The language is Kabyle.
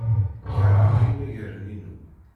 Keṛheɣ inaragen-inu.